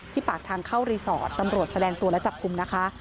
ปากทางเข้ารีสอร์ทตำรวจแสดงตัวและจับกลุ่มนะคะ